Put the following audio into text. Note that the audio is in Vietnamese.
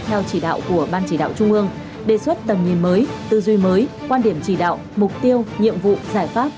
theo chỉ đạo của ban chỉ đạo trung ương đề xuất tầm nhìn mới tư duy mới quan điểm chỉ đạo mục tiêu nhiệm vụ giải pháp